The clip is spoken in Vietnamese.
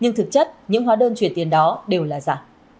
nhưng thực chất những hóa đơn chuyển tiền đó đều là giả